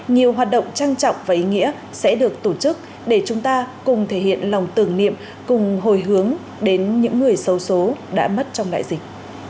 nhiều hoạt động trang trọng và ý nghĩa sẽ được tổ chức để chúng ta cùng thể hiện lòng tưởng niệm cùng hồi hướng đến những người sâu số đã mất trong đại dịch